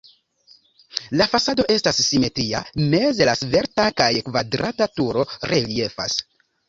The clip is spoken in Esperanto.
La fasado estas simetria, meze la svelta kaj kvadrata turo reliefas.